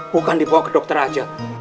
bukan dibawa ke dokter aja